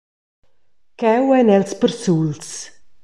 Cheu ein els persuls.